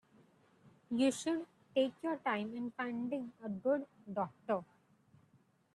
You should take your time in finding a good doctor.